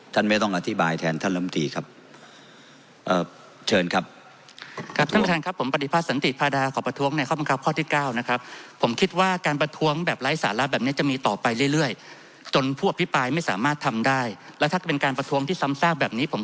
ท่านไม่ต้องอธิบายแทนท่านลำดีครับ